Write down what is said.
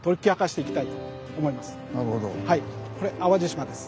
これ淡路島です。